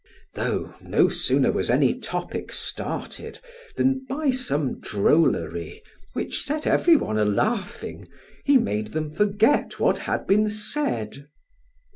Though no sooner was any topic started, than by some drollery, which set every one a laughing, he made them forget what had been said.